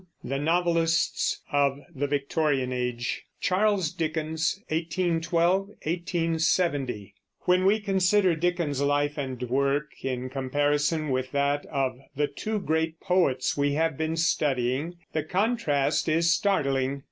THE NOVELISTS OF THE VICTORIAN AGE CHARLES DICKENS (1812 1870) When we consider Dickens's life and work, in comparison with that of the two great poets we have been studying, the contrast is startling.